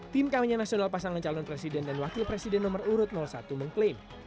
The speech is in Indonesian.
tim kampanye nasional pasangan calon presiden dan wakil presiden nomor urut satu mengklaim